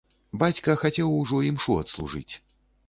Бацька хацеў ужо імшу адслужыць.